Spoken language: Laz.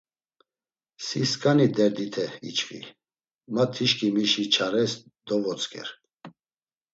Si skani derdite içvi, ma tiçkimişi çares dovotzk̆er.